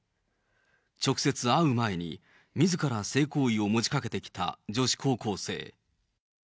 直接会う前に、みずから性行為を持ちかけてきた女子高校生。